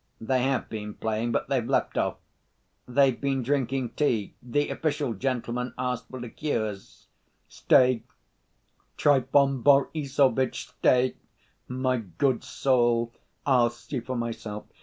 "They have been playing, but they've left off. They've been drinking tea, the official gentleman asked for liqueurs." "Stay, Trifon Borissovitch, stay, my good soul, I'll see for myself.